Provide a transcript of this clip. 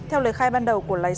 theo lời khai ban đầu của lái xe